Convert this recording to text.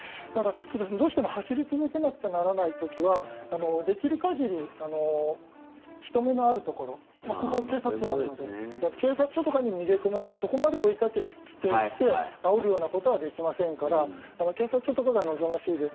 どうしても走り続けなくちゃいけない時にはできる限り、人目のあるところここ、警察署があるので警察署とかに逃げ込めばそこまで追いかけてきてあおるようなことはできませんから警察署とかが望ましいです。